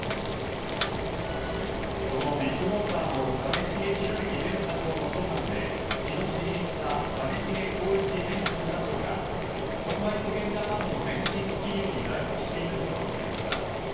そのビッグモーターの兼重宏行前社長の長男で昨日辞任した兼重宏一前副社長が損害保険ジャパンの前身の企業に在籍していたことが分かりました。